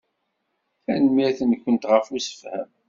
Tanemmirt-nwent ɣef ussefhem.